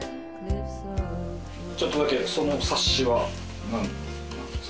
ちょっとだけその冊子は何ですか？